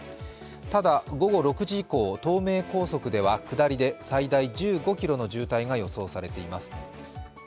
ただ、午後６時以降、東名高速では下りで最大１５ｋｍの渋滞が予想されています。